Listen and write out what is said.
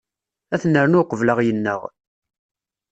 Ad t-nernu uqebl ad ɣ-yennaɣ.